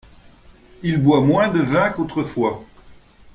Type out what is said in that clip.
Il boit moins de vin qu’autrefois.